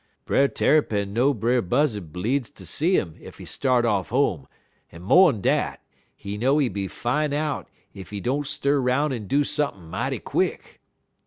Brer Tarrypin know Brer Buzzud bleedz ter see 'im ef he start off home, en mo'n dat, he know he be fine out ef he don't stir 'roun' en do sump'n' mighty quick.